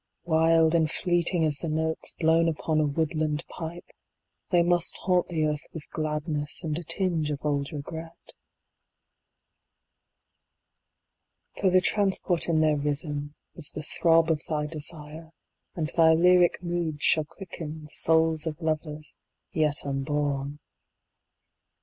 Wild and fleeting as the notes Blown upon a woodland pipe, 30 They must haunt the earth with gladness And a tinge of old regret. For the transport in their rhythm Was the throb of thy desire, And thy lyric moods shall quicken 35 Souls of lovers yet unborn.